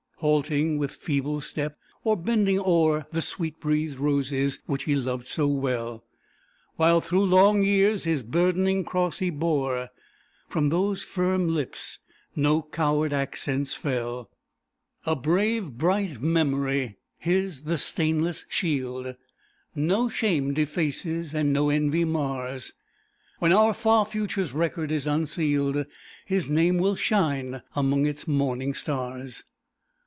Halting with feeble step, or bending o'er The sweet breathed roses which he loved so well, While through long years his burdening cross he bore, From those firm lips no coward accents fell. A brave bright memory! His the stainless shield No shame defaces and no envy mars! When our far future's record is unsealed, His name will shine among its morning stars.